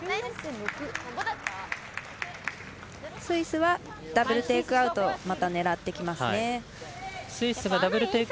スイスはダブルテイクアウトを